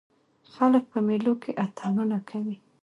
خلک په مېلو کښي اتڼونه کوي.